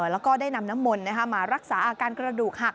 แล้วก็ได้นำน้ำมนต์มารักษาอาการกระดูกหัก